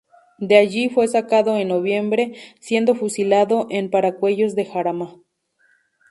De allí fue sacado en noviembre, siendo fusilado en Paracuellos de Jarama.